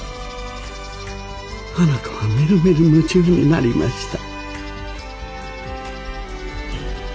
花子はみるみる夢中になりました。